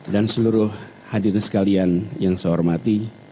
dan seluruh hadirin sekalian yang saya hormati